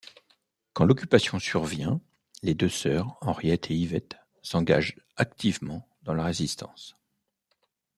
Quand l'Occupation survient, les deux sœurs, Henriette et Yvette s'engagent activement dans la résistance.